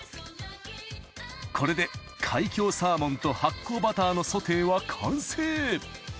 これで海峡サーモンと発酵バターのソテーは完成！